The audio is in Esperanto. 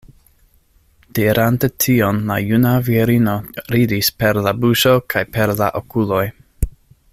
Dirante tion, la juna virino ridis per la buŝo kaj per la okuloj.